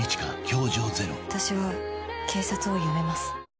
私は警察を辞めます。